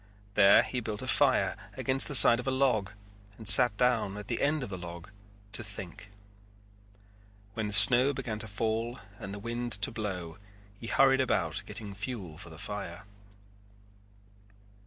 There he built a fire against the side of a log and sat down at the end of the log to think. When the snow began to fall and the wind to blow he hurried about getting fuel for the fire.